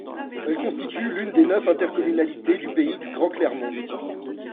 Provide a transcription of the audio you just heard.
Elle constitue l'une des neuf intercommunalités du pays du Grand Clermont.